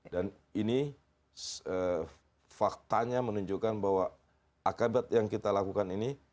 dan ini faktanya menunjukkan bahwa akibat yang kita lakukan ini